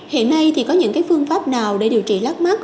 hiện nay thì có những phương pháp nào để điều trị lắc mắt